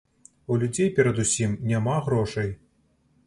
У людзей, перадусім, няма грошай!